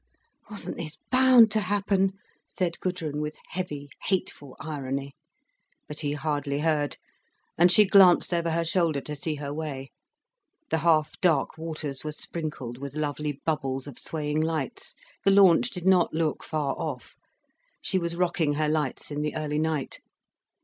"Wasn't this bound to happen?" said Gudrun, with heavy hateful irony. But he hardly heard, and she glanced over her shoulder to see her way. The half dark waters were sprinkled with lovely bubbles of swaying lights, the launch did not look far off. She was rocking her lights in the early night.